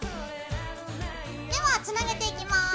ではつなげていきます。